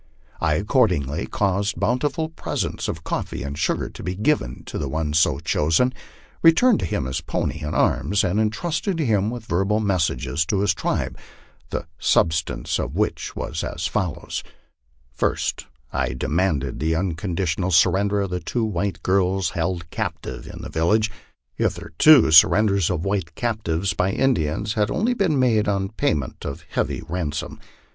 I accordingly caused bountiful presents of coffee and sugar to be given the one so chosen, returned to him his pony and arms, and intrusted him with verbal messages to his tribe, the substance of which was as follows : First, I demanded the unconditional surrender of the two white girls held captive in the village ; hitherto surrenders of white captives by Indians had only been made on payment of heavy ransom.